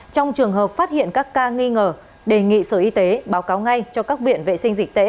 trong trường hợp phát hiện các ca nghi ngờ đề nghị sở y tế báo cáo ngay cho các viện vệ sinh dịch tễ